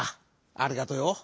ありがとうよ。